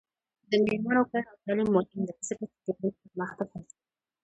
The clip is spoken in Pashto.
د میرمنو کار او تعلیم مهم دی ځکه چې ټولنې پرمختګ هڅوي.